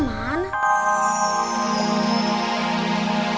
sampai sekarang dia